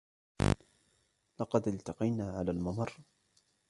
لقد إلتقينا على الممر.